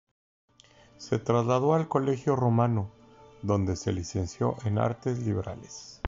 Se trasladó al "Collegio Romano", donde se licenció en artes liberales.